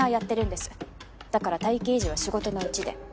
だから体形維持は仕事のうちで。